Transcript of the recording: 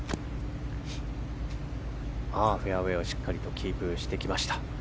フェアウェーをしっかりとキープしてきました。